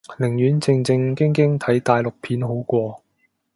寧願正正經經睇大陸片好過